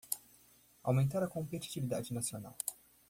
Aumentar a competitividade nacional